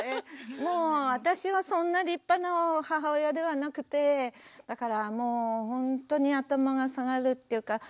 もう私はそんな立派な母親ではなくてだからもうほんとに頭が下がるっていうか。